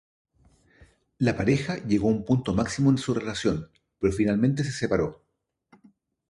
La pareja llegó a un punto máximo en su relación, pero finalmente se separó.